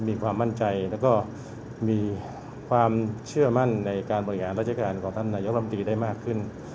มีความมั่นใจแล้วก็มีความเชื่อมั่นในการบริหารราชการของท่านนายกรรมตรีได้มากขึ้น